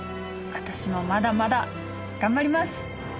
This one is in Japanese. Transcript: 私もまだまだ頑張ります！